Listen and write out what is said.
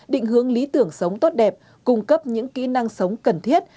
định hướng lý tưởng sống tốt đẹp cung cấp những kỹ năng sống cần thiết